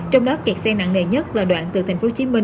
trong đó kẹt xe nặng nề nhất là đoạn từ tp hcm